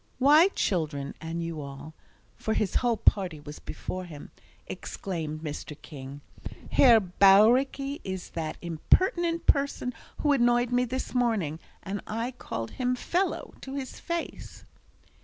"Why, children, and you all" (for his whole party was before him), exclaimed Mr. King, "Herr Bauricke is that impertinent person who annoyed me this morning, and I called him 'fellow' to his face!"